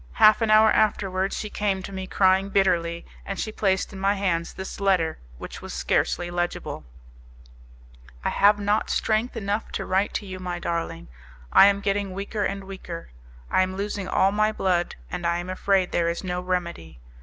Half an hour afterwards she came to me, crying bitterly, and she placed in my hands this letter, which was scarcely legible: "I have not strength enough to write to you, my darling; I am getting weaker and weaker; I am losing all my blood, and I am afraid there is no remedy.